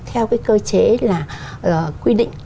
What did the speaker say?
theo cái cơ chế là quy định